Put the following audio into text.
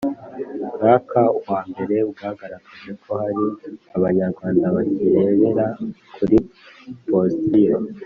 mwaka wa mbere bwagaragaje ko hari Abanyarwanda bakirebera kuri posiyo